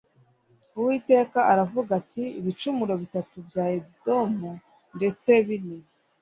Uwiteka aravuga ati “Ibicumuro bitatu bya Edomu ndetse bine